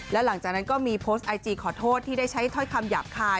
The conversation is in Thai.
และหลังจากนั้นก็มีโพสต์ไอจีขอโทษที่ได้ใช้ถ้อยคำหยาบคาย